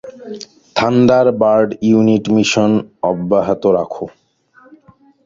Thunder bird unit, mission অব্যাহত রাখো।